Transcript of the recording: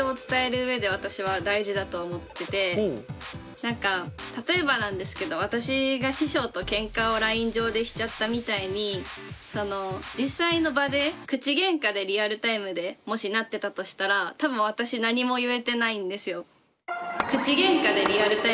なんか例えばなんですけど私が師匠とけんかをＬＩＮＥ上でしちゃったみたいに実際の場で口げんかでリアルタイムでもしなってたとしたら多分私何も言えてないんですよ。